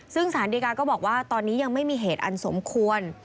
ซึ่งสารดีการก็บอกว่าตอนนี้ยังไม่มีเหตุอันสมควร